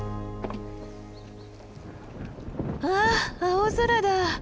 わあ青空だ。